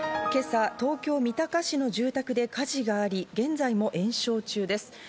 今朝、東京・三鷹市の住宅で火事があり、現在も延焼中です。